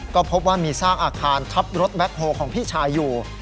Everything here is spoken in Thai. ก็พบว่ามีซากอาคารทับรถแบ็คโฮของพี่ชายอยู่